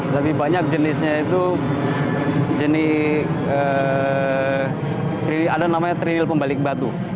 lebih banyak jenisnya itu jenis ada namanya trinil pembalik batu